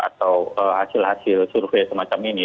atau hasil hasil survei semacam ini